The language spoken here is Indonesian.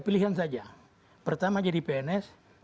pilihan saja pertama jadi pns